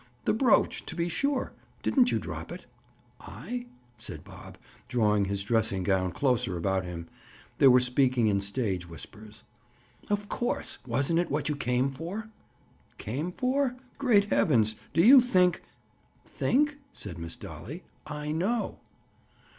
"The brooch, to be sure. Didn't you drop it?" "I?" said Bob, drawing his dressing gown closer about him. They were speaking in stage whispers. "Of course. Wasn't it what you came for?" "Came for? Great heavens!—Do you think?—" "Think?" said Miss Dolly. "I know."